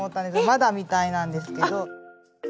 まだみたいなんですけど。